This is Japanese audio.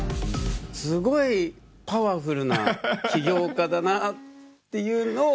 すごいパワフルな起業家だなっていうのを。